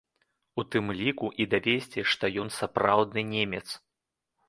У тым ліку і давесці, што ён сапраўдны немец.